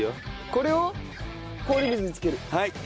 これを氷水に漬ける。